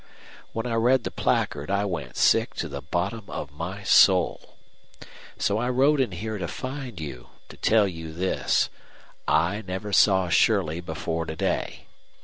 When I read the placard I went sick to the bottom of my soul. So I rode in here to find you to tell you this: I never saw Shirley before to day.